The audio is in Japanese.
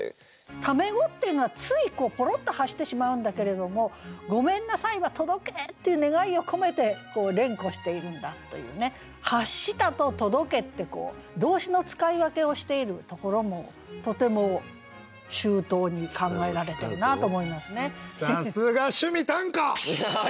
タメ語っていうのはついポロッと発してしまうんだけれども「ごめんなさい」は届けっていう願いを込めて連呼しているんだというね「発した」と「届け」って動詞の使い分けをしているところもとても周到に考えられてるなと思いますね。